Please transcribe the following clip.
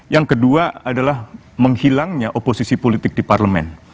yang kedua adalah menghilangnya oposisi politik di parlemen